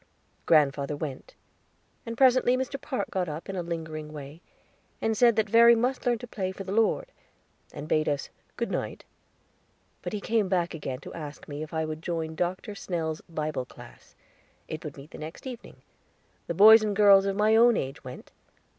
Grandfather went, and presently Mr. Park got up in a lingering way, said that Verry must learn to play for the Lord, and bade us "Good night." But he came back again, to ask me if I would join Dr. Snell's Bible Class. It would meet the next evening; the boys and girls of my own age went.